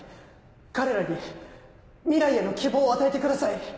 彼らに未来への希望を与えてください。